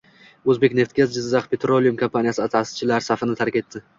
O‘zbekneftgaz Jizzakh Petroleum kompaniyasi ta’sischilari safini tark etdi